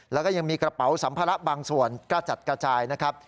แล้วก็ยังมีกระเป๋าสัมภาระบางส่วนกระจัดกระจายนะครับ